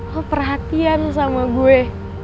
lo perhatian sama gue